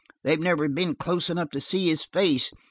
They've never been close enough to see his face.